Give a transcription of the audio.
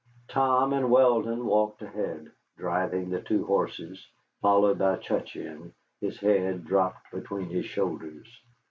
Tom and Weldon walked ahead, driving the two horses, followed by Cutcheon, his head dropped between his shoulders.